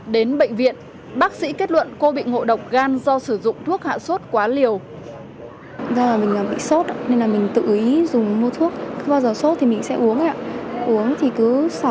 đến bệnh viện bác sĩ kết luận cô bị ngộ độc gan do sử dụng thuốc hạ sốt quá liều